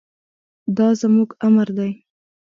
دا زموږ امر دی.